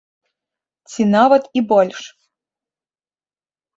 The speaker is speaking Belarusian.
Ці нават і больш!